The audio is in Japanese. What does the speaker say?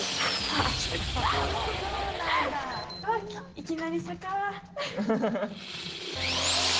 いきなり坂！